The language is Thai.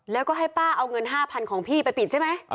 แล้วก็ให้ป้าเอาเงิน๕๐๐๐ของพี่ไปปิดใช่ไหม